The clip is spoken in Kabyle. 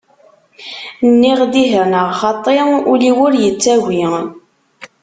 Nniɣ-d ih neɣ xaṭ, ul-iw ur yettagi.